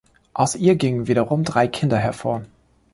Aus ihr gingen wiederum drei Kinder hervor.